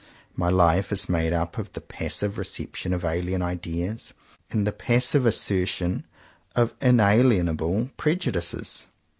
My life is made up of the passive reception of alien ideas, and the passive assertion of inalienable prejudices.